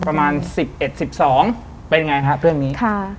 ประมาณ๑๑๑๒เป็นยังไงฮะเรื่องนี้